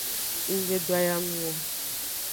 Nggbe doyanung o.